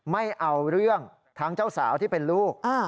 ไม่เอาเรื่องทั้งเจ้าสาวที่เป็นลูก